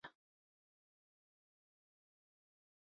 Bronze medals was secured by Czechia and Slovenia.